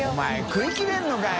食い切れるのかよ！